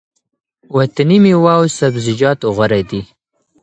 وطني مېوه او سبزیجات غوره دي.